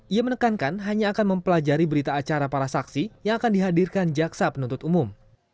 ia menekankan hanya akan mempelajari berita acara para saksi yang akan dihadirkan jaksa penuntut umum